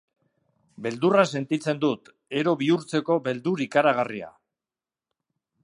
Beldurra sentitzen dut, ero bihurtzeko beldur ikaragarria.